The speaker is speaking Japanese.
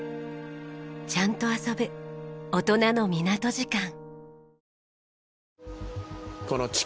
ちゃんと遊ぶ大人の港時間。